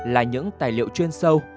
là những tài liệu chuyên sâu